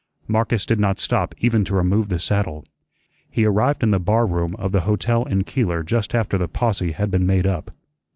Marcus did not stop even to remove the saddle. He arrived in the barroom of the hotel in Keeler just after the posse had been made up.